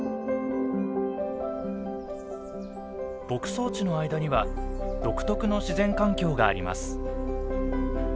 牧草地の間には独特の自然環境があります。